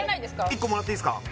１個もらっていいですか？